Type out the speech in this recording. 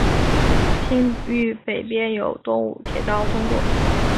町域北边有东武铁道通过。